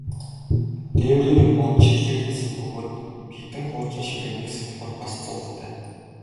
Дээврийг нь мод, шилээр хийсэн бөгөөд хэдэн хуучин ширээ, нэг самбар, бас зуухтай.